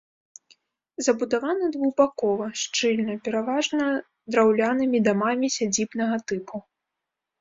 Забудавана двухбакова, шчыльна, пераважна драўлянымі дамамі сядзібнага тыпу.